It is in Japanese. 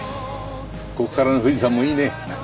ここからの富士山もいいね。